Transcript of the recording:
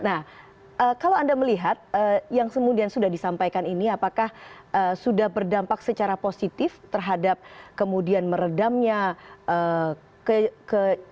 nah kalau anda melihat yang kemudian sudah disampaikan ini apakah sudah berdampak secara positif terhadap kemudian meredamnya ke